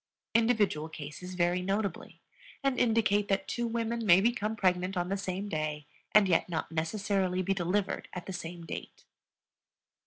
Individual cases vary notably, and indicate that two women may become pregnant on the same day and yet not necessarily be delivered at the same date.